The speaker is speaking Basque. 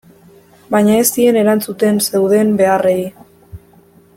Baina ez zien erantzuten zeuden beharrei.